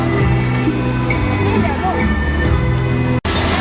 สุดท้ายสุดท้ายสุดท้าย